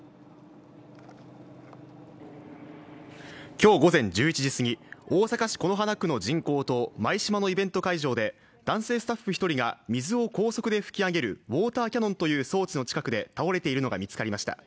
今日午前１１時すぎ、大阪市此花区の人工島・舞洲のイベント会場で男性スタッフ１人が水を高速で噴き上げるウォーターキャノンという装置の近くで倒れているのが見つかりました。